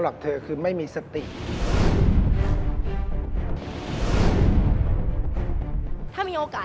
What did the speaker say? เบา